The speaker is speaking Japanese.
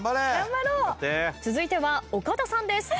続いては岡田さんです。